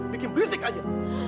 bikin berisik aja